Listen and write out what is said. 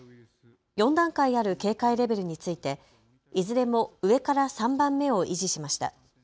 ４段階ある警戒レベルについていずれも上から３番目を維持しました。